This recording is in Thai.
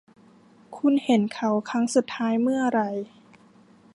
คุณเห็นเขาครั้งสุดท้ายเมื่อไหร่